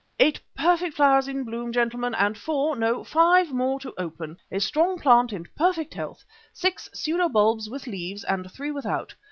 Eight perfect flowers in bloom, gentlemen, and four no, five more to open. A strong plant in perfect health, six pseudo bulbs with leaves, and three without.